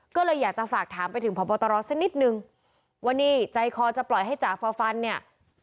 ก็เลยอยากจะฝากถามไปถึงพบตรสักนิดนึงว่านี่ใจคอจะปล่อยให้จ๋าฟอร์ฟันเนี่ย